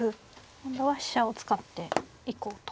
今度は飛車を使っていこうと。